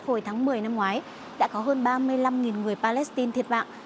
hồi tháng một mươi năm ngoái đã có hơn ba mươi năm người palestine thiệt mạng